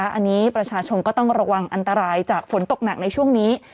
อันนี้ประชาชนก็ต้องระวังอันตรายจากฝนตกหนักในช่วงนี้